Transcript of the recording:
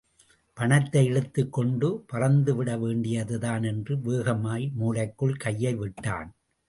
பணத்தை எடுத்துக் கொண்டு பறந்துவிட வேண்டியது தான் என்று வேகமாய் மூலைக்குள் கையை விட்டான்.